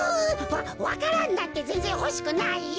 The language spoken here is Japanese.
わわか蘭なんてぜんぜんほしくないよ。